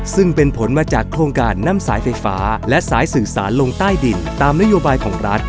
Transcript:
ซึ่งเป็นผลมาจากโครงการนำสายไฟฟ้าและสายสื่อสารลงใต้ดินตามนโยบายของรัฐ